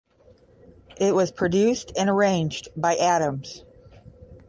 It was produced and arranged by Adams.